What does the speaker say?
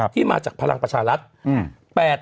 ที่มาจากพลังประชารัฐ